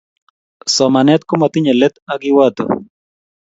Somanet komatinyei let ak kiwato